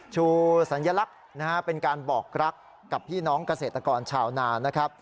ชูสัญลักษณ์นะฮะเป็นการบอกรักกับพี่น้องเกษตรกรชาวนานะครับ